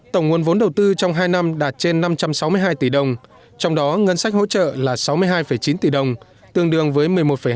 tổng nguồn vốn đầu tư trong hai năm đạt trên năm trăm sáu mươi hai tỷ đồng trong đó ngân sách hỗ trợ là sáu mươi hai chín tỷ đồng tương đương với một mươi một hai